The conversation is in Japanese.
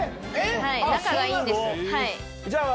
仲がいいんです。